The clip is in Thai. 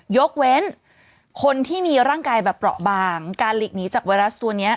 ยกเว้นคนที่มีร่างกายแบบเปราะบางการหลีกหนีจากไวรัสตัวนี้